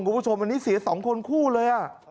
คุณผู้ชมอันนี้เสีย๒คนคู่เลย